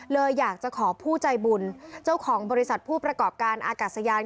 เลยอยากจะขอผู้ใจบุญเจ้าของบริษัทผู้ประกอบการอากาศยาน